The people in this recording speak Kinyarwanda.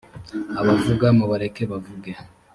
abavuga mubareke bavuge